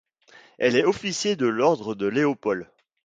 Elle est Officier de l'Ordre de Léopold.